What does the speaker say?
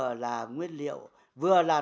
hóa là nguyên liệu tạo ra sản phẩm